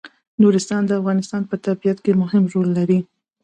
نورستان د افغانستان په طبیعت کې مهم رول لري.